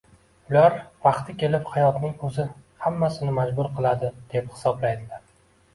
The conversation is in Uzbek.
Ular “vaqti kelib, hayotning o‘zi hammasiga majbur qiladi”, deb hisoblaydilar.